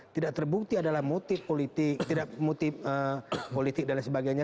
tidak terbukti adalah motif politik dan sebagainya